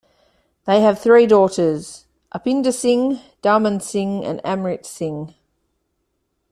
They have three daughters, Upinder Singh, Daman Singh and Amrit Singh.